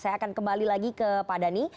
saya akan kembali lagi ke pak dhani